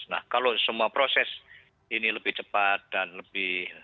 nah kalau semua proses ini lebih cepat dan lebih